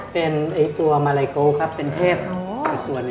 เป็นตัวมาไรโก้ครับเป็นเทพ